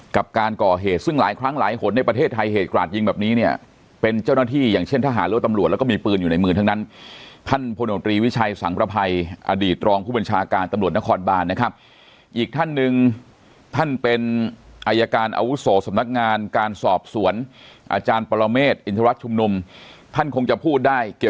ก่อเหตุซึ่งหลายครั้งหลายขนในประเทศไทยเหตุกราชยิงแบบนี้เนี้ยเป็นเจ้าหน้าที่อย่างเช่นทหารหรือว่าตำลวจแล้วก็มีปืนอยู่ในมือทั้งนั้นท่านพลนวิชัยสังพรภัยอดีตรองผู้บัญชาการตำลวจนครบานนะครับอีกท่านึงท่านเป็นอัยการอาวุศวศาบนักงานการสอบสวนอาจารย์ปรเมฆอิ